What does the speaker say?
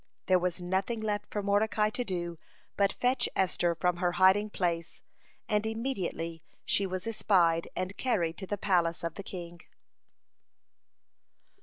There was nothing left for Mordecai to do but fetch Esther from her hiding place, and immediately she was espied and carried to the palace of the king.